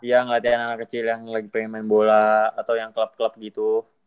ya ngeliatin anak anak kecil yang lagi pengen main bola atau yang klub klub gitu